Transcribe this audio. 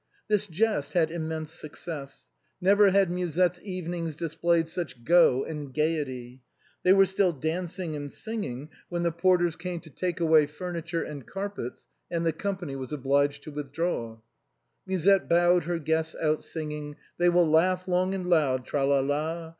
This jest had immense success, never had Musette's even ings displayed such go and gaiety ; they were still dancing 78 THE BOHEMIANS OF THE LATIN QUARTER. and singing when the porters came to take away furniture and carpets, and the company were obliged to withdraw. Musette bowed her guests out, singing: " They will laugh long and loud, tralala.